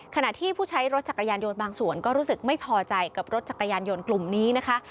ขณะที่ผู้ใช้รถจักรยานยนต์บางส่วนก็รู้สึกไม่พอใจกับรถจักรยานยนต์กลุ่มนี้นะคะ